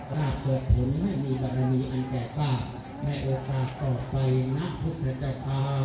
สร้างเกิดผลให้มีบรรณีอันแก่ฝ้าให้โอกาสต่อไปนัทธุรกันได้ฝ้า